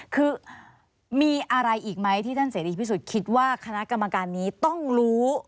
คือมีอะไรอีกไหมที่ฉันเสียดีที่สุดคิดว่าคณะกรรมการนี้ต้องรู้